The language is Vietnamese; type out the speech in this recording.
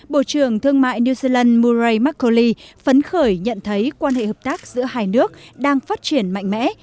bộ trưởng thương mại new zealand muray marcoli phấn khởi nhận thấy quan hệ hợp tác giữa hai nước đang phát triển mạnh mẽ